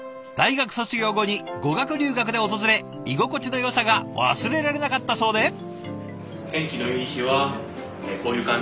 大学卒業後に語学留学で訪れ居心地のよさが忘れられなかったそうで。